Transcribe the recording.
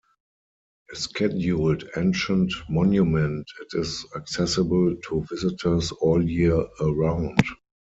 A Scheduled Ancient Monument, it is accessible to visitors all year around.